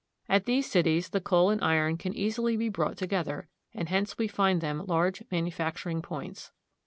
At these cities the coal and iron can easily be brought to gether, and hence we find them large manufacturing points.